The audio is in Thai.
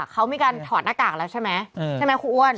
เขามีการถอดหน้ากากแล้วใช่ไหมใช่ไหมครูอ้วน